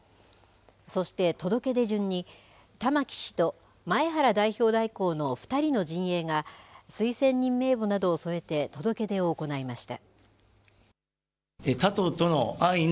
そして届け出順に玉木氏と前原代表代行の２人の陣営が推薦人名簿などを添えて届け出を行いました。